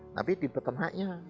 tapi di peternaknya